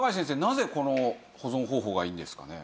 なぜこの保存法がいいんですかね？